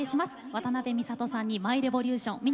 渡辺美里さんに「ＭｙＲｅｖｏｌｕｔｉｏｎ」南